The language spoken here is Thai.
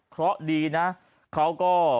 เพราะดีนะเขาก็